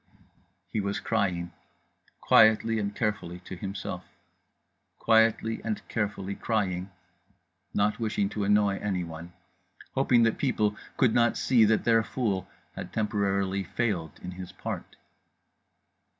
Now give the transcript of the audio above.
_" He was crying, quietly and carefully, to himself … quietly and carefully crying, not wishing to annoy anyone … hoping that people could not see that Their Fool had temporarily failed in his part.